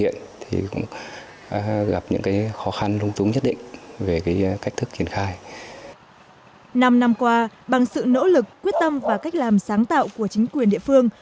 năm năm qua bằng sự nỗ lực quyết tâm và cách làm sáng tạo của chính quyền địa phương